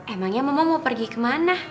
emangnya mama mau pergi kemana